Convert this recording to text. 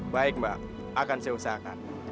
baik mbak akan saya usahakan